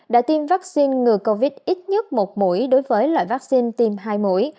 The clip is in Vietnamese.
đã tiêm vaccine ngừa covid ít nhất một mũi đối với loại vaccine tiêm hai mũi